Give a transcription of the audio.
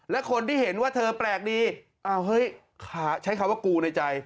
และคนที่เห็นว่าเธอแปลกดีอ้าวเฮ้ยใช้คำว่ากูในใจ